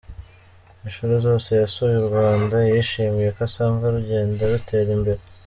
Inshuro zose yasuye u Rwanda yishimiye ko asanga rugenda rutera imbere.